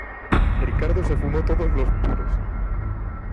Ricardo se fumó todos los puros.